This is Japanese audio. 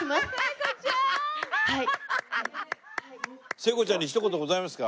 聖子ちゃんにひと言ございますか？